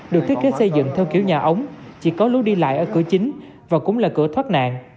được thiết kế xây dựng theo kiểu nhà ống chỉ có lối đi lại ở cửa chính và cũng là cửa thoát nạn